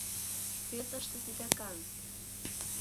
Кӧ тыште титакан?